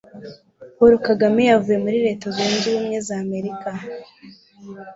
Paul Kagame yavuye muri Leta Zunze Ubumwe z'Amerika